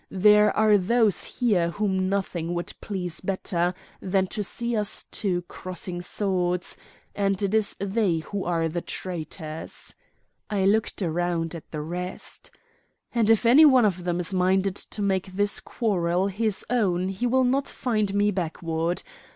There are those here whom nothing would please better than to see us two crossing swords; and it is they who are the traitors" I looked round at the rest "and if any one of them is minded to make this quarrel his own he will not find me backward.